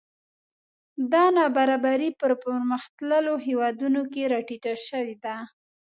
دا نابرابري په پرمختللو هېوادونو کې راټیټه شوې ده